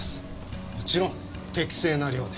もちろん適正な量で。